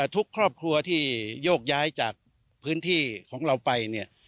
ทุกครอบครัวที่โยกย้ายจากพื้นที่ของเราไปเนี่ย